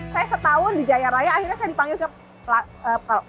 saya setahun di jaya raya akhirnya saya dipanggil ke